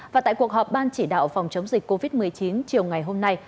và tại cuộc họp ban chỉ đạo phòng chống dịch covid một mươi chín chiều ngày hôm nay